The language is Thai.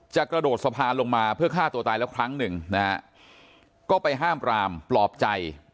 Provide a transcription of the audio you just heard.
กระโดดสะพานลงมาเพื่อฆ่าตัวตายแล้วครั้งหนึ่งนะฮะก็ไปห้ามปรามปลอบใจ